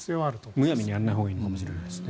むやみにやらないほうがいいのかもしれないですね。